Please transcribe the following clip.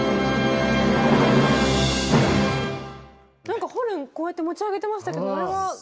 なんかホルンこうやって持ち上げてましたけどあれは？